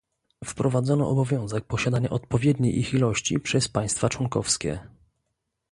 Wprowadzono obowiązek posiadania odpowiedniej ich ilości przez państwa członkowskie